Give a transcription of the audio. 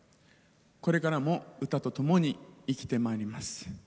これからも歌とともに生きてまいります。